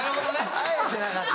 あえてなかった。